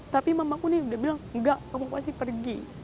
tapi mamaku nih udah bilang enggak kamu pasti pergi